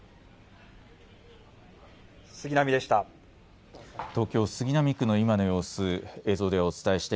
杉並でした。